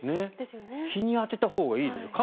日に当てたほうがいいですよね。